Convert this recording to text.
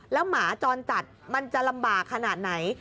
แล้วหมาจรจัดมันจะลำบากขนาดไหน